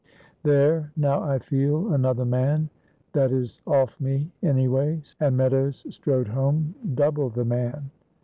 "There! now I feel another man, that is off me anyway," and Meadows strode home double the man.